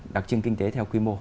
đặc trưng kinh tế theo quy mô